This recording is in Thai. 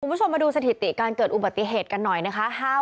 คุณผู้ชมมาดูสถิติการเกิดอุบัติเหตุกันหน่อยนะคะ